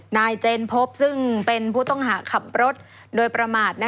นายเจนพบซึ่งเป็นผู้ต้องหาขับรถโดยประมาท